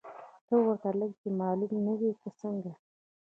ته ورته لکه چې معلوم نه وې، که څنګه؟